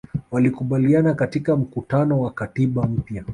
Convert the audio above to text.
walikubaliana katika mkutano wa katiba mpya